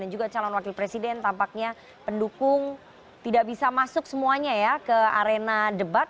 dan juga calon wakil presiden tampaknya pendukung tidak bisa masuk semuanya ya ke arena debat